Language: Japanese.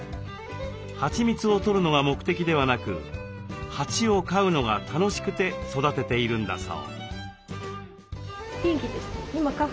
はちみつをとるのが目的ではなく蜂を飼うのが楽しくて育てているんだそう。